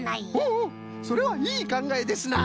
おおそれはいいかんがえですな！